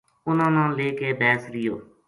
اُنھاں نا لے کے بیس رہیو